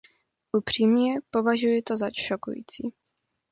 Upřímně, považuji to za šokující.